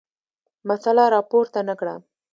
مسله راپورته نه کړه.